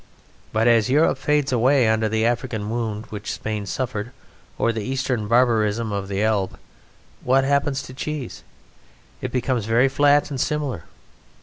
But as Europe fades away under the African wound which Spain suffered or the Eastern barbarism of the Elbe, what happens to cheese? It becomes very flat and similar.